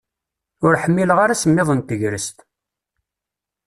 Ur ḥmmileɣ ara asemmiḍ n tegrest.